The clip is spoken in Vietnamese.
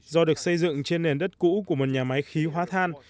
do được xây dựng trên nền đất cũ của một nhà máy khí hóa than